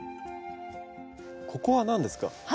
ここは何ですか？